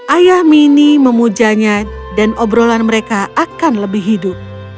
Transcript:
ayah mini memujanya dan obrolan mereka akan lebih hidup